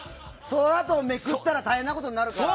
そのあと、めくったら大変なことになるから。